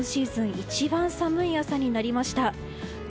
一番寒い朝になりました。